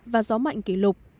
và gió mạnh kỷ lục